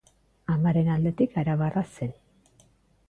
Amaren aldetik arabarra zen.